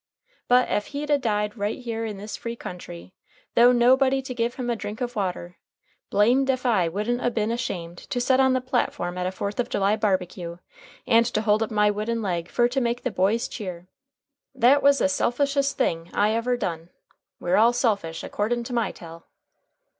But ef he'd a died right here in this free country, 'though nobody to give him a drink of water, blamed ef I wouldn't a been ashamed to set on the platform at a Fourth of July barbecue, and to hold up my wooden leg fer to make the boys cheer! That was the selfishest thing I ever done. We're all selfish akordin' to my tell."